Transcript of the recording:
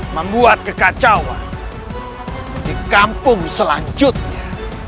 membuat kekacauan di kampung selanjutnya